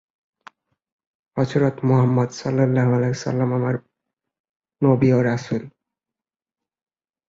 এই রাস্তাটির অন্য নাম ছিল গ্রেট বাংলো রোড।